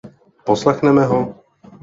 Poslechneme ho?